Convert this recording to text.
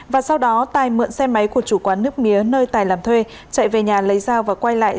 và sau đó tài mượn xe máy của chủ quán nước mía nơi tài làm thuê chạy về nhà lấy dao và quay lại